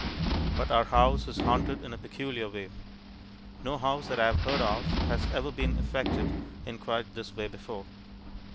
But our house is haunted in a peculiar way. No house that I have heard of has ever been affected in quite this way before.